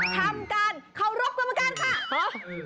ทำการเคารพกรรมการค่ะ